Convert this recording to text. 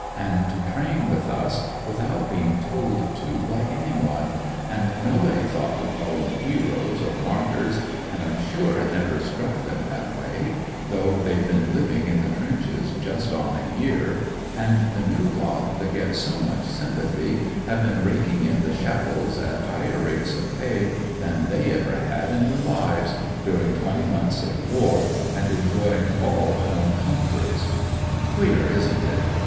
— ^and to train with us H I t 182 THE HOSPITAL MLAtt BAGS without being told to by anyone, and nobody thought to call them heroes or martyrs, and I'm sure it never struck them that way, though they've been living in the trenches just on a year, and the new lot that get so much sympathy have been raking in the shekels at higher rates of pay than they ever had in their lives, during twenty months of war, and enjoying all home comforts. " Queer, isn't it